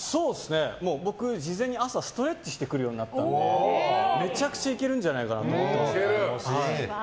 僕、事前に朝ストレッチしてくるようになったのでめちゃくちゃいけるんじゃないかなと思ってます。